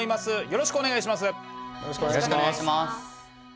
よろしくお願いします。